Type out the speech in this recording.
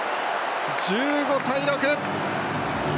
１５対６。